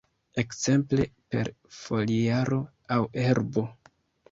Ekzemple per foliaro aŭ herbo.